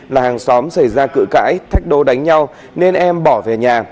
là hàng xóm xảy ra cự cãi thách đố đánh nhau nên em bỏ về nhà